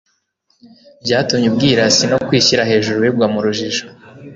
ryatumye ubwirasi no kwishyira hejuru bigwa mu rujijo,